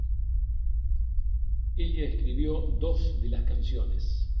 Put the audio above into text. Ella escribió dos de las canciones.